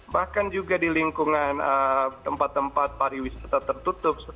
bahkan juga di lingkungan tempat tempat pariwisata tertutup